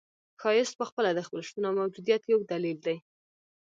ښایست پخپله د خپل شتون او موجودیت یو دلیل دی.